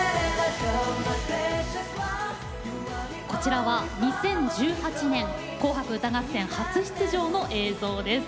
こちらは２０１８年「紅白歌合戦」初出場の映像です。